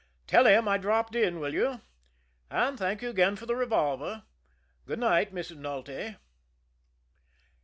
Tell him I dropped in, will you? and thank you again for the revolver. Good night, Mrs. Nulty."'